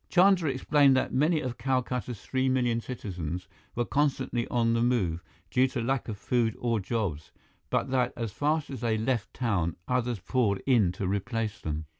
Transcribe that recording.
Chandra explained that many of Calcutta's three million citizens were constantly on the move, due to lack of food or jobs; but that as fast as they left town, others poured in to replace them.